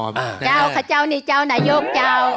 เจ้าค่ะเจ้านี่เจ้านายกเจ้า